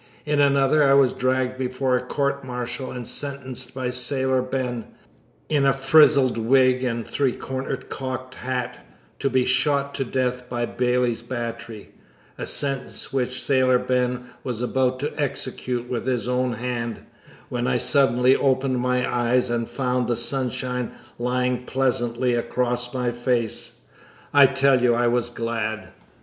In another, I was dragged before a court martial and sentenced by Sailor Ben, in a frizzled wig and three cornered cocked hat, to be shot to death by Bailey's Battery a sentence which Sailor Ben was about to execute with his own hand, when I suddenly opened my eyes and found the sunshine lying pleasantly across my face. I tell you I was glad!